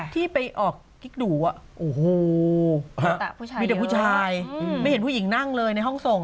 ที่ไปออกกิ๊กดูโอ้โหมีแต่ผู้ชายไม่เห็นผู้หญิงนั่งเลยในห้องส่ง